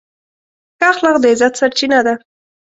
ښه اخلاق د عزت سرچینه ده.